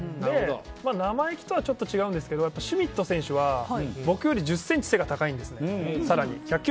生意気とはちょっと違うんですけどシュミット選手は僕より１０ｃｍ背が高いんです。